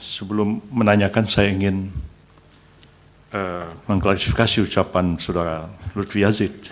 sebelum menanyakan saya ingin mengklarifikasi ucapan saudara lutfi yazid